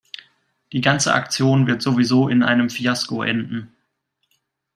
Die ganze Aktion wird sowieso in einem Fiasko enden.